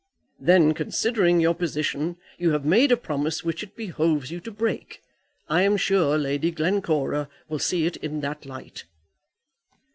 "Then, considering your position, you have made a promise which it behoves you to break. I am sure Lady Glencora will see it in that light."